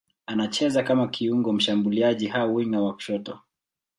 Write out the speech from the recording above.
Anacheza kama kiungo mshambuliaji au winga wa kushoto.